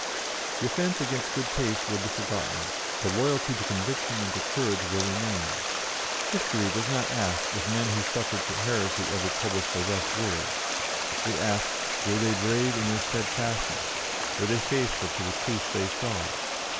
The offence against good taste will be forgotten; the loyalty to conviction and to courage will remain. History does not ask if men who suffered for heresy ever published a rough word; it asks, Were they brave in their steadfastness; were they faithful to the truth they saw?